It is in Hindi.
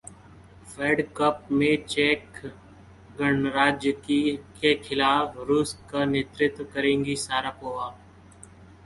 फेड कप में चेक गणराज्य के खिलाफ रूस का नेतृत्व करेंगी शारापोवा